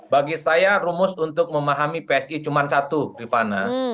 bagi saya rumus untuk memahami psi cuma satu rifana